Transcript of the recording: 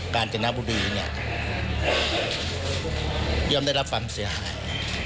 การจนบุรียอมได้รับความเสียหาย